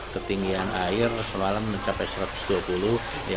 ketinggian air semalam mencapai satu ratus dua puluh yang paling dalam ya